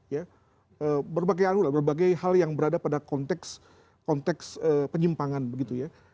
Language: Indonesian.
ya berbagai hal yang berada pada konteks penyimpangan begitu ya